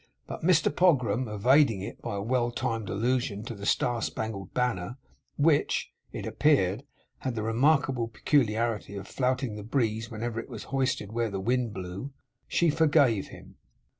But Mr Pogram evading it by a well timed allusion to the star spangled banner, which, it appeared, had the remarkable peculiarity of flouting the breeze whenever it was hoisted where the wind blew, she forgave him.